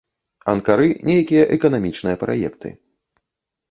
Анкары нейкія эканамічныя праекты.